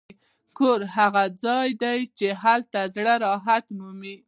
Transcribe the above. کور هغه ځای دی چې هلته زړه راحت مومي.